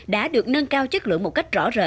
đã được nâng cao chất lượng một cách rõ rệ